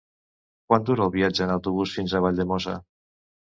Quant dura el viatge en autobús fins a Valldemossa?